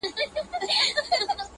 ما یاغي قلم ته د عقاب شهپر اخیستی دی -